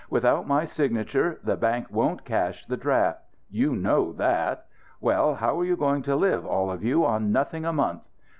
Without my signature, the bank won't cash the draft. You know that. Well, how are you going to live, all of you, on nothing a month?